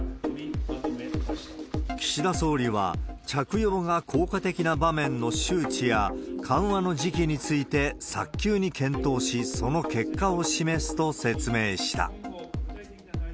岸田総理は、着用が効果的な場面の周知や、緩和の時期について早急に検討し、その結果を示すと説明した。